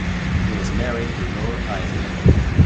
He was married to Lore Iser.